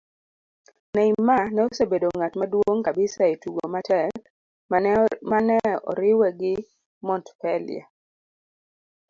Neymar ne osebedo ng'at maduog' kabisa e tugo matek mane oriwe gi Montpellier